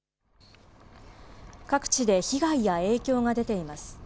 各地で被害や影響が出ています。